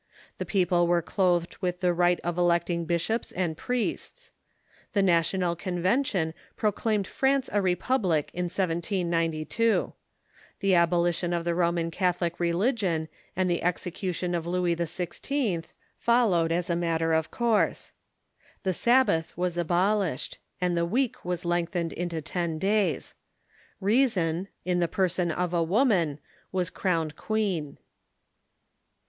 The people were clothed with the right of electing bishops and priests. The National Conven tion proclaimed France a republic in 1792. The abolition of the Roman Catholic religion and the execution of Louis XVI. followed as a matter of course. The Sabbath Avas abolished, and the week was lengthened into ten days. Reason, in the person of a woman, was crowned queen.